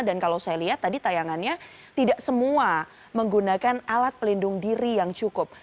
dan kalau saya lihat tadi tayangannya tidak semua menggunakan alat pelindung diri yang cukup